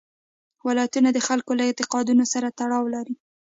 ولایتونه د خلکو له اعتقاداتو سره تړاو لري.